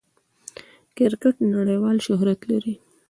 کرکټ نړۍوال شهرت لري.